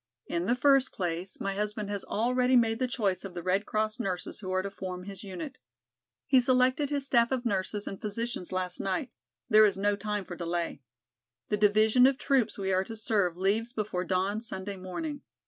In the first place, my husband has already made the choice of the Red Cross nurses who are to form his unit. He selected his staff of nurses and physicians last night. There is no time for delay. The division of troops we are to serve leaves before dawn Sunday morning.